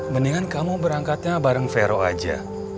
mendingan kamu berangkatnya bareng vero aja